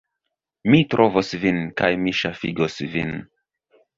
Mi trovos vin, kaj mi ŝafigos vin!